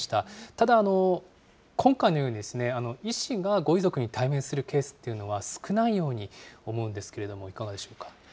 ただ、今回のように医師がご遺族に対面するケースっていうのは、少ないように思うんですけれども、いかがでしょうか。